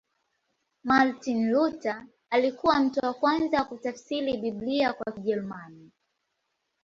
Martin Luther alikuwa mtu wa kwanza kutafsiri Biblia kwa Kijerumani.